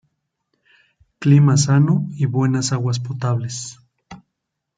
Clima sano y buenas aguas potables.